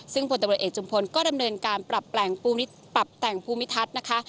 ซึ่งผลตำรวจเอกจุมพลก็ดำเนินการปรับแต่งภูมิทัศน์นะคะ